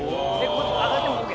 これ上がってもＯＫ？